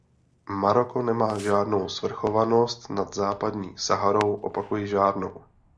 Maroko nemá žádnou svrchovanost nad Západní Saharou; opakuji, žádnou.